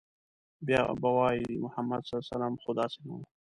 بيا به وايي، محمد ص خو داسې نه و